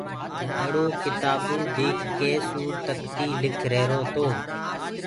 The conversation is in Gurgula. ٻڙو ڪتآبوُ ديک ڪي سورتڪتيٚ لک ريهرو تو